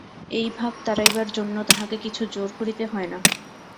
এই ভাব তাড়াইবার জন্য তাহাকে কিছু জোর করিতে হয় না।